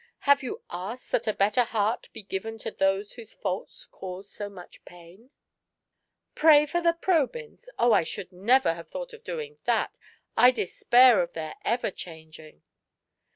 " Have you asked that a better heart may be given to those whose faults cause so much pain?" *'Pray for the Probyns! Oh, I should never have thought of doing that ! I despair of their ever changing."